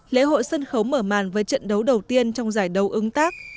lễ hội sân khấu mở màn với trận đấu đầu tiên trong giải đấu ứng tác